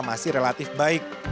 masih relatif baik